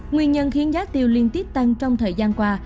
nguyên nhân khiến giá tiêu liên tiếp tăng trong thời gian qua